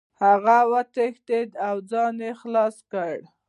هغه وتښتېد او ځان یې خلاص کړ.